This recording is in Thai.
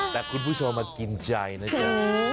แต่คุณผู้ชมมากินใจนะจ๊ะ